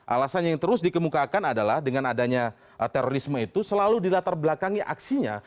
alasan yang terus dikemukakan adalah dengan adanya terorisme itu selalu dilatar belakangi aksinya